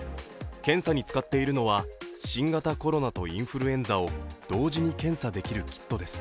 検査に使っているのは新型コロナとインフルエンザを同時に検査できるキットです。